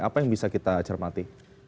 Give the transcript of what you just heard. apa yang bisa kita cermati